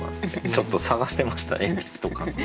ちょっと探してました鉛筆とか。